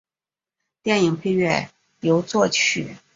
电影配乐由作曲。